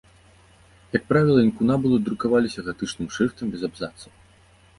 Як правіла, інкунабулы друкаваліся гатычным шрыфтам без абзацаў.